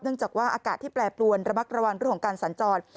เนื่องจากว่าอากาศที่แปรปรวนระมักระวังด้วยของการสัญจร